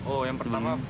oh yang pertama